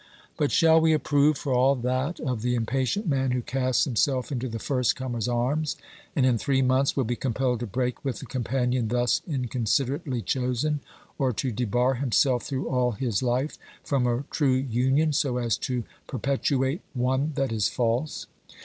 But shall we approve for all that of the impatient man who casts himself into the first comer's arms, and in three months will be compelled to break with the companion thus inconsiderately chosen, or to debar himself through all his life from a true union so as to perpetuate one that is false.